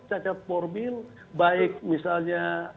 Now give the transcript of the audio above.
cacat formil baik misalnya